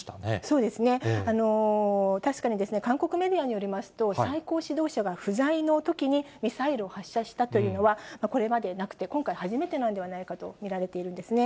そうですね、確かに韓国メディアによりますと、最高指導者が不在のときにミサイルを発射したというのは、これまでなくて、今回初めてなんではないかと見られているんですね。